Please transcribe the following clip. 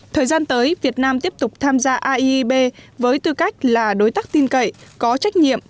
thời gian tới việt nam tiếp tục tham gia aib với tư cách là đối tác tin cậy có trách nhiệm